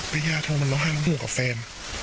พี่ย่าโทรมาร้องห้าร้องหุ่นกับแฟน